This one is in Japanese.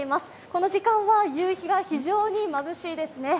この時間は夕日が非常にまぶしいですね。